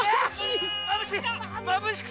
まぶしい！